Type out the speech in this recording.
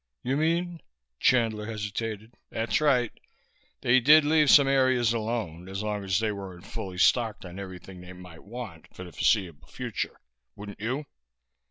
"You mean " Chandler hesitated. "That's right. They did leave some areas alone, as long as they weren't fully stocked on everything they might want for the foreseeable future. Wouldn't you?"